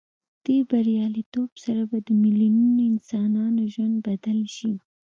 دې بریالیتوب سره به د میلیونونو انسانانو ژوند بدل شي.